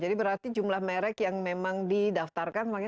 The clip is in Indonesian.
berarti jumlah merek yang memang didaftarkan